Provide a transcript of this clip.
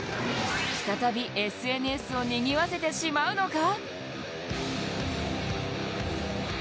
再び、ＳＮＳをにぎわせてしまうのか？